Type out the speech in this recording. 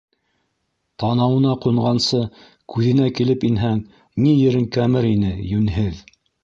- Танауына ҡунғансы, күҙенә килеп инһәң, ни ерең кәмер ине, йүнһеҙ...